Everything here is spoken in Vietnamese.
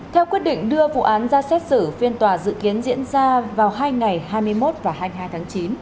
theo quyết định đưa vụ án ra xét xử phiên tòa dự kiến diễn ra vào hai ngày hai mươi một và hai mươi hai tháng chín